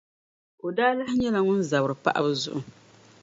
O daa lahi nyɛla ŋun zabiri paɣiba zuɣu.